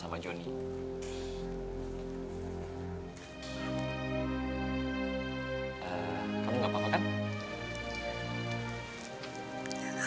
kamu gak apa apa kan